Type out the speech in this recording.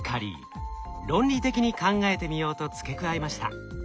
「論理的に考えてみよう」と付け加えました。